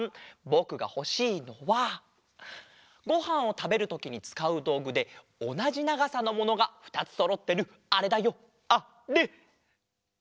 ぼくがほしいのはごはんをたべるときにつかうどうぐでおなじながさのものがふたつそろってるあれだよあれ！